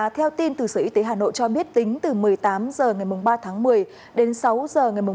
theo tin từ sở y tế hà nội cho biết tính từ một mươi tám h ngày ba tháng một mươi đến sáu h ngày một mươi